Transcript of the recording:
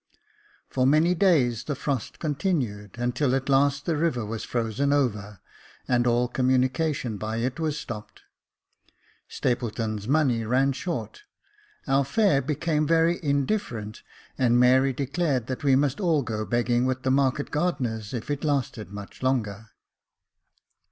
For many days the frost continued, until at last the river was frozen over, and all communication by it was stopped. Stapleton's money ran short, our fare became very in different, and Mary declared that we must all go begging with the market gardeners if it lasted much longer.